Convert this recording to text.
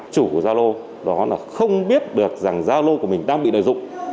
chủ của gia lô đó là không biết được rằng gia lô của mình đang bị lợi dụng